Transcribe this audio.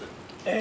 え。